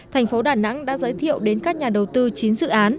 thành phố đà nẵng đã giới thiệu đến các nhà đầu tư chín dự án